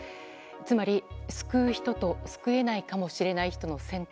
つまり救う人と救えないかもしれない人の選択